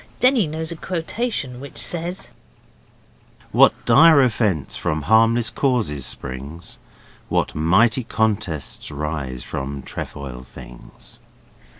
Denny knows a quotation which says 'What dire offence from harmless causes springs, What mighty contests rise from trefoil things.